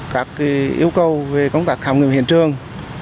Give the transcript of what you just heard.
các yêu cầu về công tác khám nghiệm hiện trường